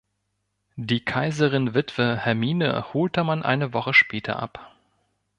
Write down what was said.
Die Kaiserin-Witwe Hermine holte man eine Woche später ab.